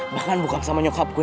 bahkan bukan sama nyokap gue